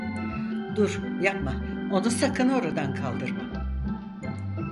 Dur, yapma, onu sakın oradan kaldırma.